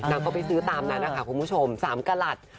ก็ไปซื้อตามนั้นนะคะคุณผู้ชม๓กระหลัด